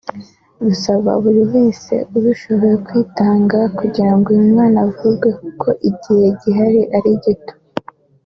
rusaba buri wese ubishoboye kwitanga kugirango uyu mwana avurwe kuko igihe gihari ari gito